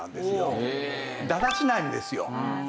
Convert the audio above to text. だらしないんですよ。